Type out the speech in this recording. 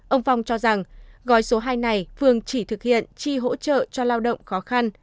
ông phong cho rằng gói số hai này phường chỉ thực hiện chi hỗ trợ cho lao động khó khăn